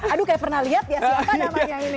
aduh kayak pernah lihat ya siapa namanya ini